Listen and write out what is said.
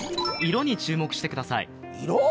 色に注目してください。